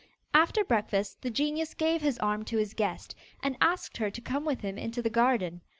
After breakfast the genius gave his arm to his guest, and asked her to come with him into the garden.